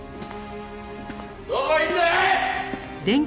どこいんだよ！